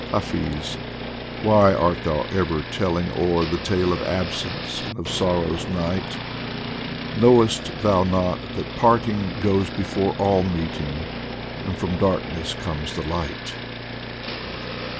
Hafiz, why art thou ever telling o'er The tale of absence and of sorrow's night ? Knowest thou not that parting goes before All meeting, and from darkness comes the light